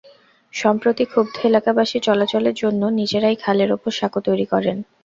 সম্প্রতি ক্ষুব্ধ এলাকাবাসী চলাচলের জন্য নিজেরাই খালের ওপর সাঁকো তৈরি করেন।